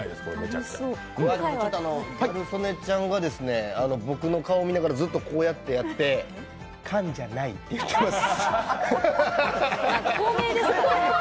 ギャル曽根ちゃんが、僕の顔を見ながらずっとこうやって「缶じゃない」って言ってます。